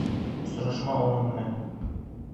Осрашма уның менән!